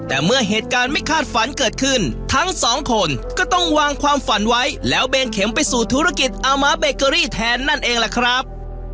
แต่เมื่อเหตุการณ์ไม่คาดฝันเกิดขึ้นทั้งสองคนก็ต้องวางความฝันไว้แล้วเบนเข็มไปสู่ธุรกิจอาม้าเบเกอรี่แทนนั่นเองล่ะครับ